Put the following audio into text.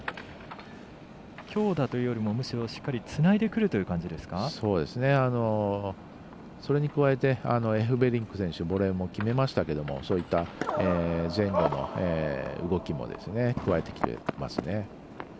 強打というよりも、むしろしっかりつないでくるというそれに加えてエフベリンク選手ボレーも決めましたけどもそういった前後の動きも加えてきていますね。